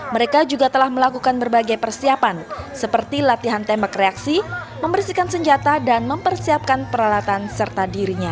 mereka juga telah melakukan berbagai persiapan seperti latihan tembak reaksi membersihkan senjata dan mempersiapkan peralatan serta dirinya